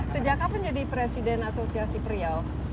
sejak kapan jadi presiden asosiasi priau